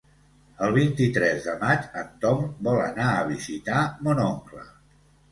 El vint-i-tres de maig en Tom vol anar a visitar mon oncle.